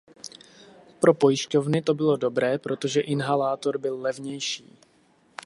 Pro pojišťovny to bylo dobré, protože inhalátor byl levnější.